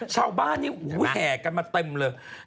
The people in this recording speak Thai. เช่าบ้านได้แหวะกันมาเต็มเลย